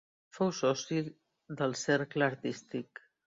Fou soci del Cercle Artístic.